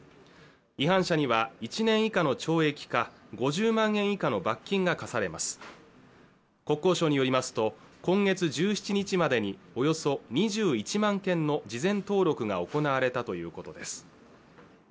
違反者には１年以下の懲役か５０万円以下の罰金が科されます国交省によりますと今月１７日までにおよそ２１万件の事前登録が行われたということです